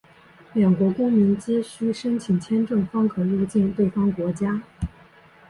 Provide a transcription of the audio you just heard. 两国公民皆须申请签证方可入境对方国家。